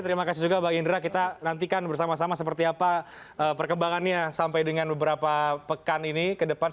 terima kasih juga bang indra kita nantikan bersama sama seperti apa perkembangannya sampai dengan beberapa pekan ini ke depan